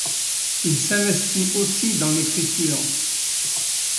Il s'investit aussi dans l'écriture.